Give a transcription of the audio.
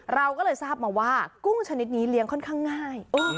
เราก็เลยทราบมาว่ากุ้งชนิดนี้เลี้ยงค่อนข้างง่าย